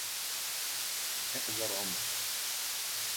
احزر عمري.